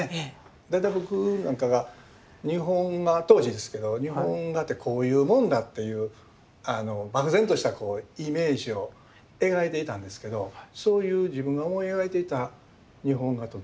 大体僕なんかが当時ですけど日本画ってこういうもんだっていう漠然としたイメージを描いていたんですけどそういう自分が思い描いていた日本画と全然違う。